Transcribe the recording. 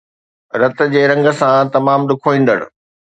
رت جي رنگ سان تمام ڏکوئيندڙ